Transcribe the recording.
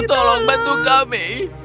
tolong bantu kami